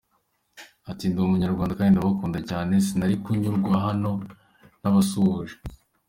Ati” Ndi umunyarwanda kandi ndabakunda cyane, sinari kunyura hano ntabasuhuje”.